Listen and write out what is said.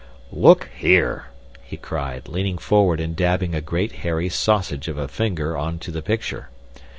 "Look here!" he cried, leaning forward and dabbing a great hairy sausage of a finger on to the picture.